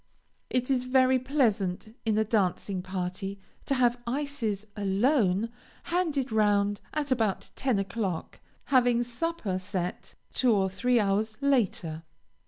It is very pleasant in a dancing party to have ices alone, handed round at about ten o'clock, having supper set two or three hours later.